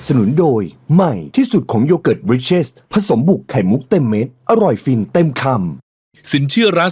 จะโรงรับสมัครเลือกตั้งผู้ใหญ่บ้าน